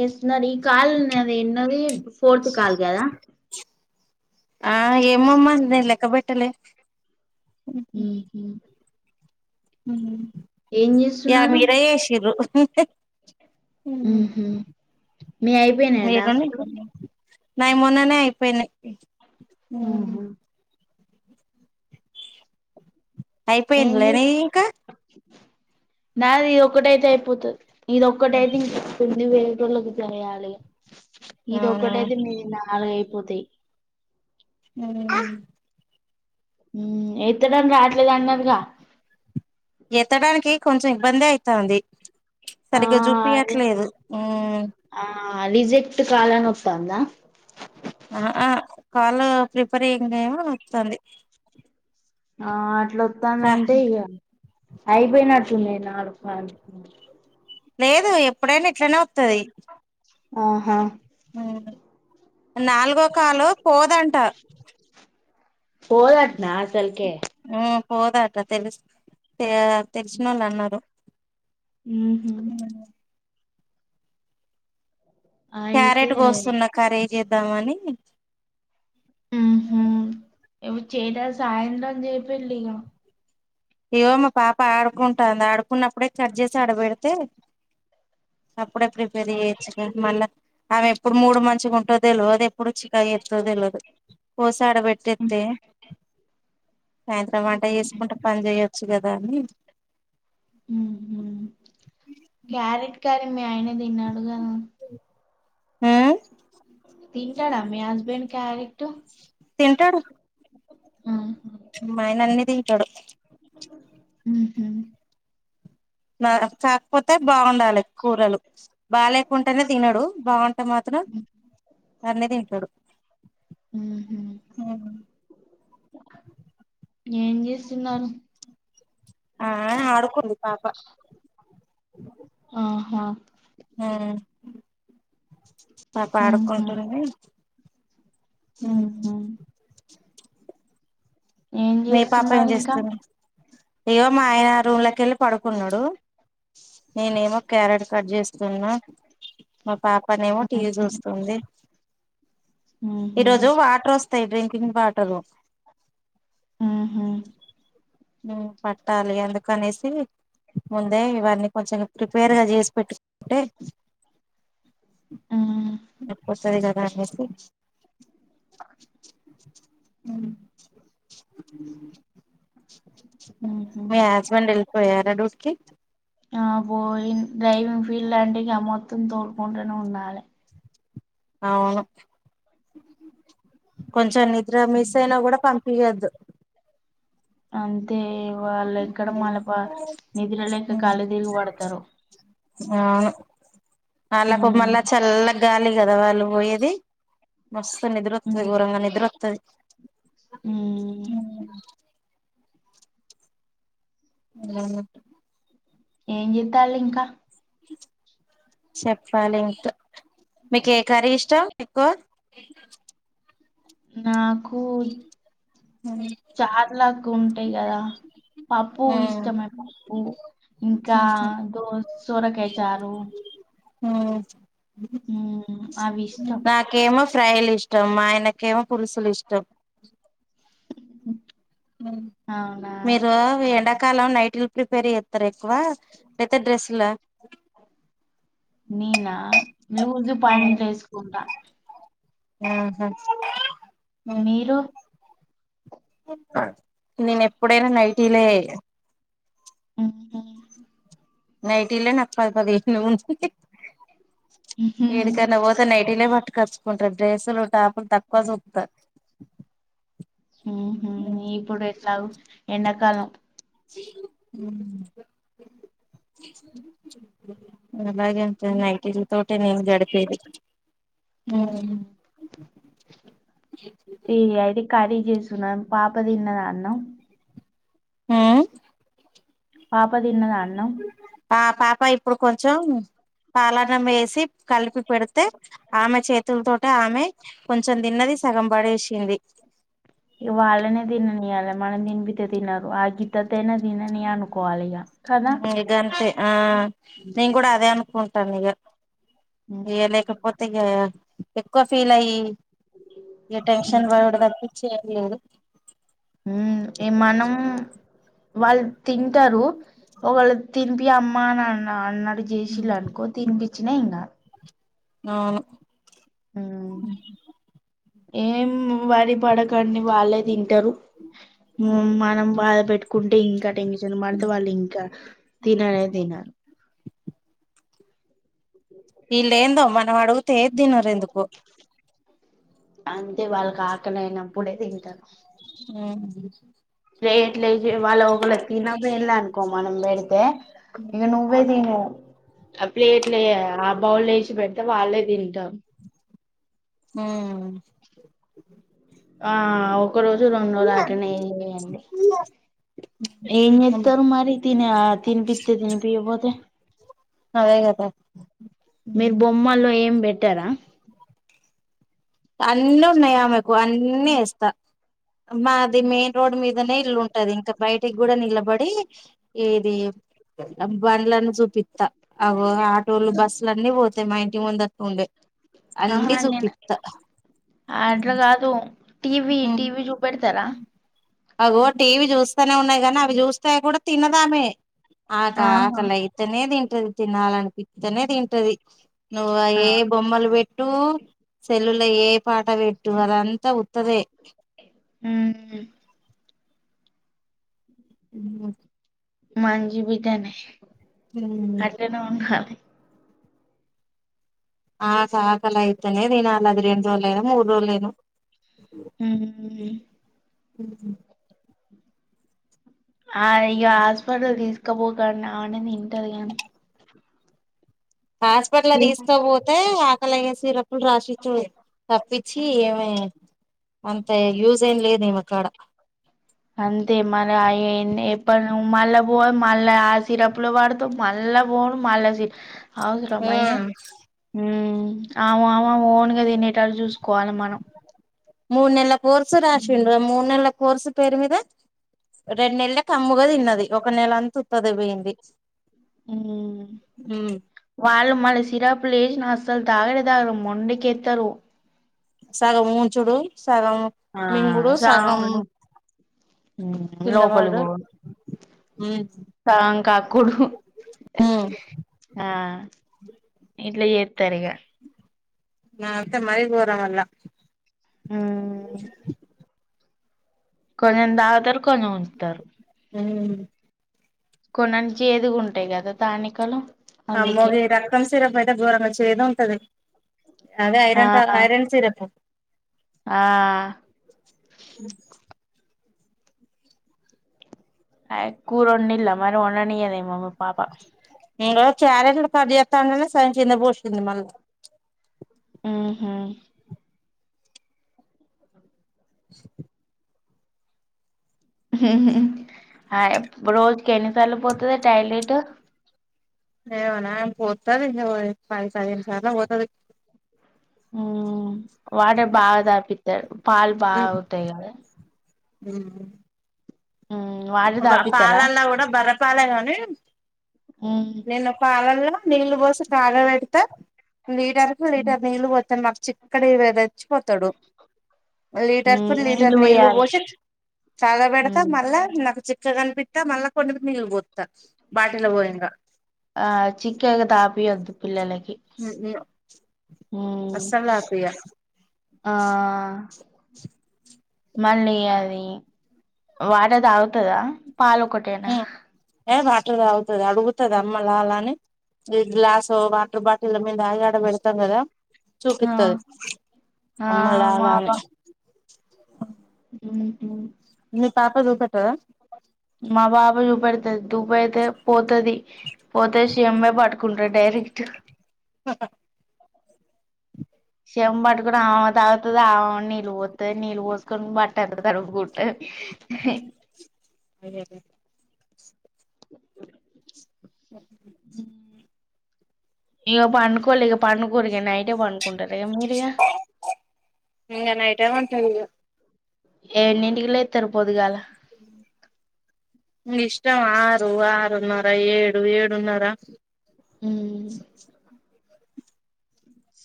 చేస్తున్నారు ఈ కాల్ అది ఎన్నది ఫోర్త్ కాల్ కదా ఆ ఏమమ్మ నేను లెక్క పెట్టలే హ హ యా చేస్తున్నారు మీరే చేసిర్రు అ మీ అయిపోయినా టాన్స్ నా ఏమొనానే అయిపోయినాయి ఆ ఏం అయిపోయిందిలేనే చేస్ ఇంకా నాది ఒకటైతే అయిపోతుంది ఇది ఒక్కటయితే ఏం చెస్తుంది వే వలోకి తెరాలి [unintelligible] ఇది అవునా ఒక్కటైతే మీది నాలుగు అయిపోతాయి హమ్ హమ్ ఏం తిన్నారు రాత్రి ఎత్తడానికి కొంచెం ఇబ్బంది అయితాంది ఆ సరిగ్గా అదే చూపియట్లేదు హ్మ్మ్ ఆ రిజెక్ట్ కాల్ అని వస్తుందా ఆ ఆ కాలు ప్రిపేర్ అయ్యంగా ఏమ వస్తుంది ఆ హా లోత్త దంతే ఇగ అయిపోయినట్టు ఉంది నా లేదు ఎప్పుడైనా ఇట్లనే వత్తది ఆహా హ్మ్మ్ నాల్గవ కాల్ లో పోదంట పోదాట్న అసలకి ఆమ్ పోదంట తెలుసు తెలిసిన వాళ్ళు అన్నారు ఉహూ అయితే క్యారెట్ కోస్తున్న కర్రీకి చేద్దామని ఆమ్ ఇ చేద సాయంత్రం చెప్యుండ్లి ఇగ ఏమో మా పాప ఆడుకుంటుంది ఆడుకున్నప్పుడే కట్ చేసి ఆడబెడితే అప్పుడే ప్రిపేర్ చేయొచ్చుగా మళ్ళా ఆమె ఎప్పుడు మూడు మంచిగుంటదో తెలవదు ఎప్పుడు చికాఎత్తదో తేల్వదు కోస్ తాడ పెట్టేత్తే అద [unintelligible] టమాటా చేసుకుంట పని చేయొచ్చు కదా అని హుహు. క్యారెట్ కర్రీ మీ ఆయనే తిన్న అలో ఊ తింటాడ మీ హస్బెండ్ క్యారెట్టు తింటడు. ఆ మా ఆయన అన్నీ తింటడు. ఊహు నచ్చక పోత్ అయితే బాగుండాలి కూరలు బాలేకుంటేనే తినడు బాగుంటే మాత్రం అన్ని తింటడు. ఆహా ఏమ్ చేస్తున్నారు. ఆఆ ఆడుకోందు ఆహా! ఊ అ పాప హుహు. ఆడుకుంటుంది. హుహు. అవున ఏం మీ పాప ఏం చేస్తున్నారు ఇంకా? చేస్తుంది. ఏవో మా ఆయన రూమ్లోకెళ్ళి పడుకున్నాడు నేనేమో క్యారెట్ కట్ చేస్తున్నా మా పాప పనేమో హుహు. టీవీ చూస్తుంది. హుహు. ఈరోజు వాటర్ వస్ త్తయి డ్రింకింగ్ వాటరు ఆహా ఉ పట్టాలి అందుకనేసి ముందే ఇవన్నీ కొంచెం ప్రిపేర్గా చేసి పెట్టుకుంటే హ్మ్. నొప్పివస్తది కదా అనేసి ఆ ఉ హుహు. మీ హస్బెండ్ ఎల్ పోయారా డ్యూటీకి ఆ పోయిన్ డ్రైవింగ్ ఫీల్డ్ అంటె మొత్తం తోలుకుంటనే ఉండాలె. అవును. కొంచెం నిద్ర మిస్ అయినా కూడా పంపి ఇయ్యద్దు. అవు అయితే వాళ్ళు ఎక్కడ మళ్ళ ప నిద్దుర లేక కళ్ళు తిరిగి పడతరో ఆహ అలాకు ఉమ్ మల్లా చల్ల గాలి కదా వాళ్ళు పోయేది బస్ నిద్రత్తది ఉమ్ గోరంగా నిద్రతుది ఉమ్ అ అ ఏం చెతాలి ఇంకా చెప్పాలి ఇంకా మీకు ఏ కర్రీ ఇష్టం ఎక్కువ నా నాకు చారులాకు ఉంటాయి కదా పప్పు ఉమ్ ఇష్టమే పప్పు ఇంకా దో సోరకాయ చారు. ఆ ఆ నాకేమస్ ఫ్రైలు ఇష్టం. మా ఆయనకేమో పులుసుులు ఇష్టం. ఆ మీరు ఏడా కాలం నైట్లు ప్రిపేర్ చేతారు ఎక్కువ లేతే డ్రెస్స్ ల నేనా లూజ పైని లేసుకుంటా ఊహా [unintelligible] మీరు నేను ఎప్పుడైనా నైటీలే ఉహు నైట్ ఇల్ న పది పది ఊహ్హ్హ్ ఉహు ఏడ కైనా పోత నైటీ లేపో ట్ కర్చుకుంటారు డ్రెస్సులు టాపులు తక్కువ చూతారు. ఊహ ఇపుడు ఎట్లాగూ ఎండాకాలం అలాగేలితే నైటీ తోటే నేను గడిపేది. ఊ ఉమ్ ఈ ఐడి కాళీ చేసున్నా పాప తిన్నదా అన్నం అ పాప తిన్నదా అన్నం ఆ పాప ఇప్పుడు కొంచెం పాలన్నం వేసి కలిపి పెడితే ఆమె చేతుల తోటే ఆమె కొంచెం తిన్నది సగం పడేసింది. ఇగ వాళ్ళనే దిన నీయాల మన తిన్ బితే తినరు ఆ గిత తనా తిన నియ్ అనుకోవాలియా ఇగ ఆ నేన్ కూడా అదే అనుకుంట్ టన్నిగా ఉమ్ ఏ లేకపోతే ఎక్కువ ఫీలయ్యి ఇగ టెన్షన్ బడుడు తప్పించి ఎమ్ లేదు. మ్ మనం వాళ్ళు తింటరు ఒకళు తినిపూ అమ్మ అని అన్న అన్నట్ జేషిలాన్ కో దీనికి తి జి చిన్నఇంగా ఆ ఉమ్ ఏం వరి పడకండి వాళ్ళే తింటరు మనం బాధ పెట్టుకుంటే ఇంకా టెన్షన్ పడితే వాళ్ళు ఇంకా తిననే తినరు. [inaudible] వీళ్ళ ఏందో మనం అడిగుతే ఏది తినరు ఎందుకో అంతే వాళ్ళక్ ఆకనైనా అప్పుడే తింటరు [inaudible] ప్లేట్ల ఏషి వాళ్ళ ఒకళ తినపేళ్ళనుకో మనం పెడితే ఇక నువ్వే తిను ఆ ప్లేట్లు ఆ బౌల్ లేేచి పెడితే వాళ్ళే తింటరూ. హ్మ్ ఆ ఒక రోజు రెండు రోజులు అట్లనే చేయనియాన్డి ఏం ఉమ్ చేస్తరు మరి తినే తినిప్పితే తినిపియకపోతే అదేగాద ఇట్టారా అన్ని ఉన్నాయామెకు అన్ని వేస్తా మాది మెయిన్ రోడ్ మీదనే ఇల్లు ఉంటది ఇంకా బయటికి కూడా నిలబడి ఇది బండ్లను చూపిస్త్త ఆటోలు బస్సులు అన్ని పోతాయి మా ఇంటి ముందుటీనుండే ఆహా నేను అన్నిజూపిత్త అట్లా కాదు టీవీ టీవీ చూపెడతారా అగో టీవీ చూస్తేనే ఉన్నాయ్ కానీ అవి చూస్తే కూడా తినది ఆమె ఆట ఆహా అకలైతనే నెన్ దానికి తినాలి అనిపిత్తేనే తింటది నువ్వు ఆ ఏ బొమ్మలు పెట్టు సెల్లులుయి ఏ పాటవేటువర్ అంత ఉత్తదే హ్మ్ హ్మ్ మంచి బిడ్డనే అంటే నొంక ఆ సాకలి అయితేనే తినాలే అది రెండు రోజులైనా మూడు రోజులైనా ఉమ్ ఉమ్ ఉహ్ హ్మ్మ్ ఆ ఇయ హాస్పిటల్ తీసుకపోతన అని తింటాలెన్ హాస్పిటల తీసుకోపోతే ఆ కోలయ సిరప్పులు రాసిచ్చి తప్పిచి ఏమి అంత యూజ్ ఏం లేదు ఈమెకాడ అంతే మరి అయ్ ఎన్ ఎతనవ్ మల్ల పోయ్ మల్ల సిరప్పులు వాడ్తావ్ మల్ల పోవుడు మల్ల సిర్ అవసరమా ఇగ ఉమ్ అవ్అమే ఓన్ గా తినేతటు చూస్ మూడునెల్ల కోర్సు రాసిండు మూడునెల కోర్సు పేరు మీద రెండునెల్లె కమ్ముగా తిన్నది. ఒక నెలంతా ఉత్తదే పోయింది. ఉమ్ వాళ్ళు‌ మళ్లీ సిరప్లు వేసి నా అసల్ తాగే విధానం మొండిచేత్తారు సగం ఉంచుడు సగం ఆ మింగుడు సగం సగంను ఉమ్ కింద పడుడు లోపలికిపోవుడు సగం కక్కుడు హా ఇట్ల చేతర్ ఇగ నద్ అత్తే మరి గోరమమ్మ మ్మ్ కొంచెం తాగుతారు కొంచెం ఉంచుతారు హ్మ్ కొనొన్ని చేదుగుంటాయ్ కదా తనికలు అమ్మో గి రక్తం సిరప్ అయితే ఘోరంగా చేదు ఉంటది అదే ఆ ఐరన్ టా‌ ఐరన్ సిరప్పు ఆ అ కూరొండిల్లా మరి ఓండనీయదేమో మీ పాప ఇంగో క్యారెట్లు కట్ చేస్తాంటేనే సగం కిందపోసింది మళ్ళా హ్మ్ హు హుహు ఆ రోజుకు ఎన్నిసార్లుపోతది టాయిలెటు. ఈమెనా పొత్తాది ఓ పది పదిహేను సార్లో పొత్తది. హ్మ్ వాటర్ బాగా దాప్పితారు. పాల్ బాగొత్తాయ్ గా. హ్మ్ వాటర్ అద తాపిత్తారా పాలల్లో కూడా బర్రపాలే కాని మ్మ్. నేను పాలల్లో నీళ్లుబోసి తాగబెడితే లీటర్కి లీటర్ నీళ్లు పోతానా చిక్కడివే తెచ్చిపోతాడు లీటర్ కు మ్మ్. లీటర్ నీళ్ళు పోయాలి నీళ్ళుబోసి కాగా పెడతా మ్మ్. మళ్ళా నక్. చిక్కగానిపిత్తే మళ్ళా కొద్దిగా నీళ్ళు పొత్తా బాటిలో పోయనిగా. ఆ చిక్కగ తాపియొద్దు పిల్లలకి. హు హ్మ్ మ్మ్. అస్సల్థాపిగా ఆ. మళ్ళీ అది వాట తాగుతదా. పలొక్కటేనా. టుతగుతది అడుగుతది అమ్మలా అలా అని ఈ గ్లాస్ వాటర్ బాటిల్ మేం దాగి ఆడాపెడతాం గదా. ఆ చూపిత్తది ఆ అమ్మలలా అని హు హ్మ్ మీ పాప జూపెట్టదా. మా బాపజుపెడ్తాదీ దువ్వైతే పోత్. ఇత్యాది పొదేశ్. ఎమ్మైపడ్కుండ్రు డైరెక్టు. ఆహా చెమ్మ్ పట్టుకుని ఆ తాగతది ఆమని నీళ్ళు పొత్తది నీళ్ళు పోసుకొని బట్టంత తడుగుకుంటది. [unintelligible] హు హా. ఇగా పండుకోలే ఇగ పాన్. గురిగే నైటేపోనుకుంటలే మీరిగా. ఇంగ నైట్ ఏమో ఉంటది ఇగ ఎన్నింటికిలేత్తారు పొద్దుగాల. నిష్టం ఆరు ఆరున్నర ఏడు ఏడున్నర. ఉమ్.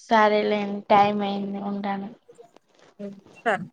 సరేలేండి టైం అయింది ఉంటాను. హు సరే.